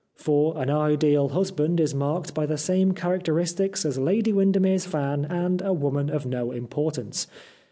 For ' An Ideal Husband ' is marked by the same characteristics as ' Lady Windermere's Fan ' and ' A Woman of No Im portance.'